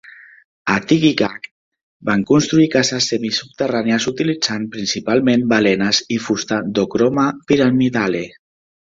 A Tikigaq van construir cases semi-subterrànies utilitzant principalment balenes i fusta d'Ochroma pyramidale.